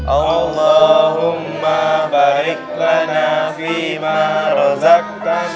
allahumma baiklana fi marzaktana